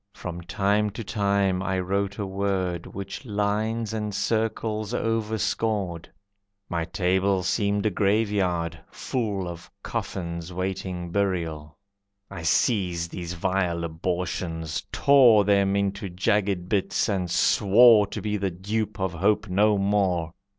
From time to time I wrote a word Which lines and circles overscored. My table seemed a graveyard, full Of coffins waiting burial. I seized these vile abortions, tore Them into jagged bits, and swore To be the dupe of hope no more.